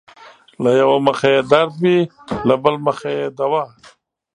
له يؤه مخه يې درد وي له بل مخه يې دوا